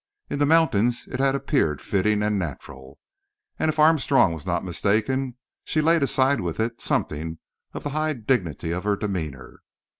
In the mountains it had appeared fitting and natural. And if Armstrong was not mistaken she laid aside with it something of the high dignity of her demeanour.